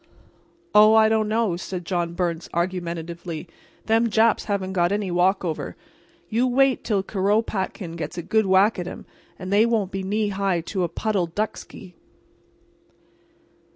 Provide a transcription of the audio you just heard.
"Oh, I don't know," said John Byrnes, argumentatively, "them Japs haven't got any walkover. You wait till Kuropatkin gets a good whack at 'em and they won't be knee high to a puddle ducksky."